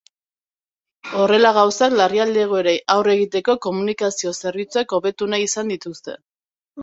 Horrela gauzak, larrialdi egoerei aurre egiteko komunikazio zerbitzuak hobetu nahi izan dituzte.